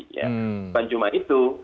bukan cuma itu